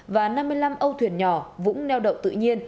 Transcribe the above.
và năm mươi năm âu thuyền nhỏ vũng neo đậu tự nhiên